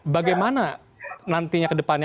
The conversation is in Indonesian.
bagaimana nantinya ke depannya